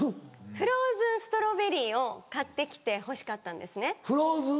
フローズンストロベリーを買って来てほしかった。